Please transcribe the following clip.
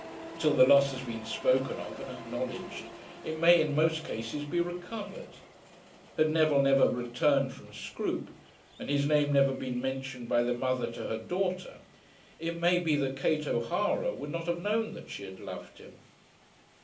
Till the loss has been spoken of and acknowledged, it may in most cases be recovered. Had Neville never returned from Scroope, and his name never been mentioned by the mother to her daughter, it may be that Kate O'Hara would not have known that she had loved him.